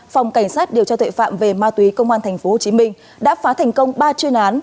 phòng cảnh sát điều tra tuệ phạm về ma túy công an tp hcm đã phá thành công ba chuyên án